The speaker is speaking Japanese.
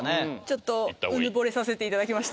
ちょっとうぬぼれさせていただきました